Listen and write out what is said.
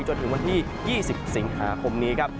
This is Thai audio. จนถึงวันที่๒๐สิงหาคมนี้ครับ